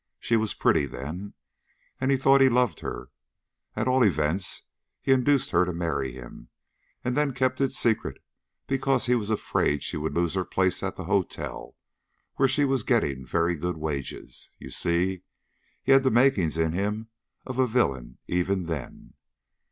She was pretty then, and he thought he loved her. At all events, he induced her to marry him, and then kept it secret because he was afraid she would lose her place at the hotel, where she was getting very good wages. You see, he had the makings in him of a villain even then."